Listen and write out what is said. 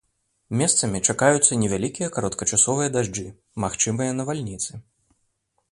Месцамі чакаюцца невялікія кароткачасовыя дажджы, магчымыя навальніцы.